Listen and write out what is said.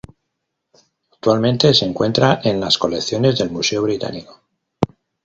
Actualmente se encuentra en las colecciones del Museo Británico.